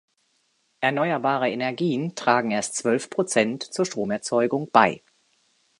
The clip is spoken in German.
Erneuerbare Energien tragen erst zwölf Prozent zur Stromerzeugung bei.